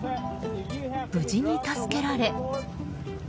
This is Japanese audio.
無事に助けられ。